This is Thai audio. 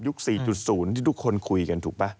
๔๐ที่ทุกคนคุยกันถูกป่ะ